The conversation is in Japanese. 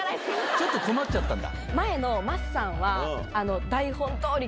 ちょっと困っちゃったんだ。